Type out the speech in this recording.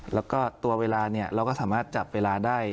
แล้วก็ตัวเวลาเราก็สามารถจับเวลาได้